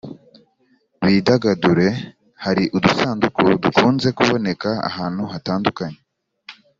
bidagadure. hari udusanduku dukunze kuboneka ahantu hatandukanye